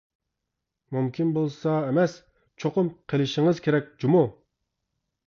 مۇمكىن بولسا ئەمەس، چوقۇم كېلىشىڭىز كېرەك جۇمۇ.